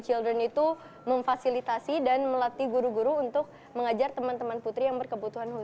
children itu memfasilitasi dan melatih guru guru untuk mengajar anak anak yang berkebutuhan khusus